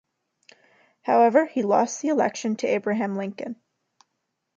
However, he lost the election to Abraham Lincoln.